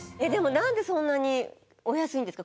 なんでそんなにお安いんですか？